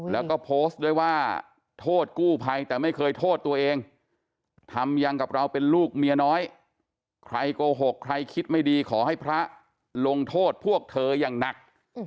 แล้วก็โพสต์ด้วยว่าโทษกู้ภัยแต่ไม่เคยโทษตัวเองทำอย่างกับเราเป็นลูกเมียน้อยใครโกหกใครคิดไม่ดีขอให้พระลงโทษพวกเธออย่างหนัก